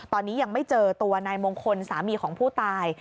ตอนนี้ยังไม่เจอตัวนายมงคลสามีของผู้ตาย